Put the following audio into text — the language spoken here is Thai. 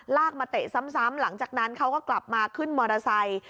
มาเตะซ้ำหลังจากนั้นเขาก็กลับมาขึ้นมอเตอร์ไซค์